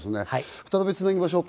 再び、つなぎましょうか。